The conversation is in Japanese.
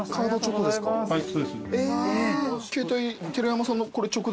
はいそうです。